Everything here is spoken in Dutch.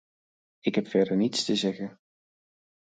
Ik heb verder niets te zeggen.